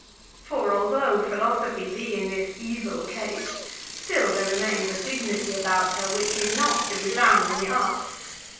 For, although philosophy be in this evil case, still there remains a dignity about her which is not to be found in the arts.